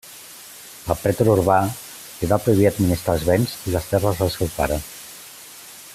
El pretor urbà li va prohibir administrar els béns i les terres del seu pare.